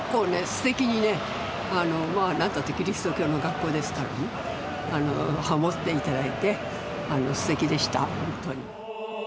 すてきにねまあ何たってキリスト教の学校ですからねハモって頂いてすてきでした本当に。